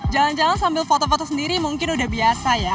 jalan jalan sambil foto foto sendiri mungkin udah biasa ya